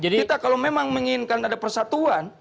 kita kalau memang menginginkan ada persatuan